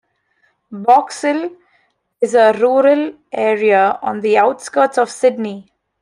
Box Hill is a rural area on the outskirts of Sydney.